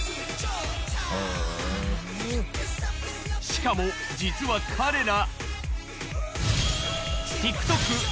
しかも実は彼ら。